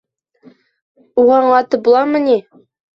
Уға аңлатып буламы ни?